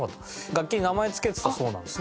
楽器に名前付けてたそうなんですね